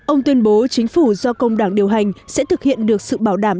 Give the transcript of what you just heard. ông tuyên bố chính phủ do công đảng điều hành sẽ thực hiện được sự bảo đảm